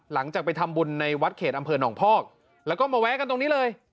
หลังจากไปทำบุญในวัดเขตอำเภอหนองพอกแล้วก็มาแวะกันตรงนี้เลย